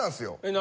何？